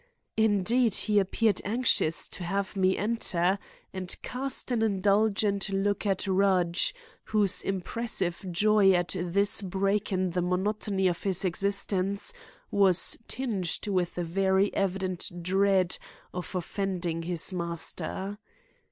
Indeed, he appeared anxious to have me enter, and cast an indulgent look at Rudge, whose irrepressible joy at this break in the monotony of his existence was tinged with a very evident dread of offending his master.